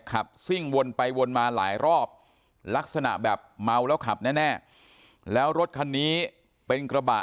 ขับซิ่งวนไปวนมาหลายรอบลักษณะแบบเมาแล้วขับแน่แล้วรถคันนี้เป็นกระบะ